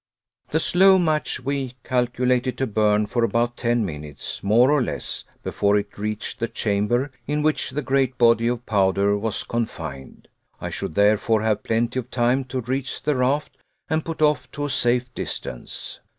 The slow match we calculated to burn for about ten minutes, more or less, before it reached the chamber in which the great body of powder was confined. I should therefore have plenty of time to reach the raft and put off to a safe distance.